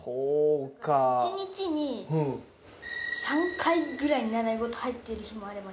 １日に３回ぐらい、習い事入ってる日もあれば。